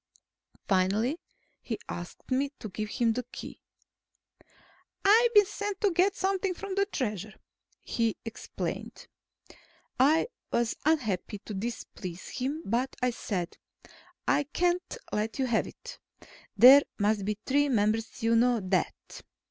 Finally, he asked me to give him the Key. "I've been sent to get something from the Treasure," he explained. I was unhappy to displease him, but I said, "I can't let you have it. There must be three members. You know that."